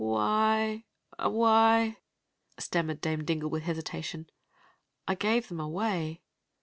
"Why, — why —" stammered Dame Dingle, with hesitation, " I gave them away."